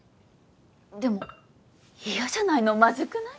でも嫌じゃないのマズくない？